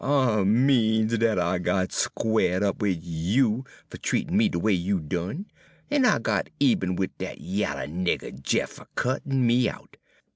I means dat I got squared up wid you fer treatin' me de way you done, en I got eben wid dat yaller nigger Jeff fer cuttin' me out.